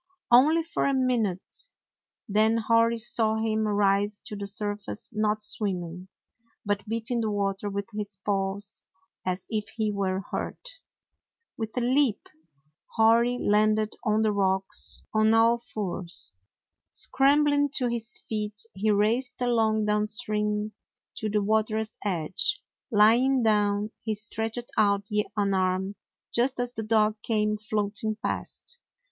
Only for a minute; then Hori saw him rise to the surface, not swim ming, but beating the water with his paws as if he were hurt. With a leap Hori landed on the rocks on all 115 DOG HEROES OF MANY LANDS fours. Scrambling to his feet he raced along downstream to the water's edge. Lying down, he stretched out an arm, just as the dog came floating past.